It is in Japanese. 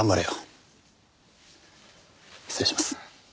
失礼します。